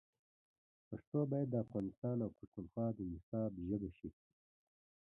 پښتو باید د افغانستان او پښتونخوا د نصاب ژبه شي.